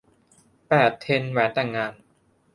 แปด เทรนด์แหวนแต่งงาน